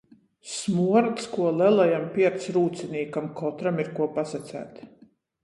Smuords kuo lelajam pierts rūcinīkam, kotram ir kuo pasaceit.